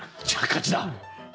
じゃあ勝ちだ。